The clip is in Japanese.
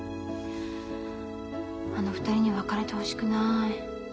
あの２人に別れてほしくない。